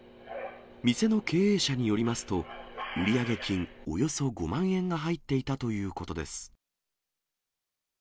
店の経営者によりますと、売上金およそ５万円が入っていたということです。